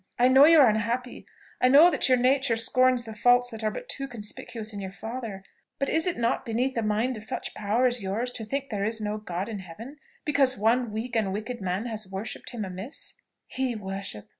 I know you are unhappy I know that your nature scorns the faults that are but too conspicuous in your father; but is it not beneath a mind of such power as yours to think there is no God in heaven, because one weak and wicked man has worshipped him amiss?" "He worship!